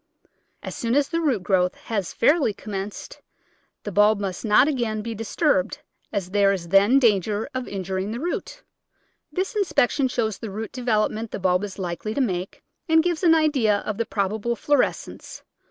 As soon as the root growth has fairly commenced the bulb must not again be dis turbed, as there is then danger of injuring the root. This inspection shows the root development the bulb is likely to make, and gives an idea of the probable florescence.